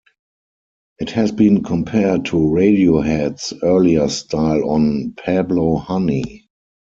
It has been compared to Radiohead's earlier style on "Pablo Honey".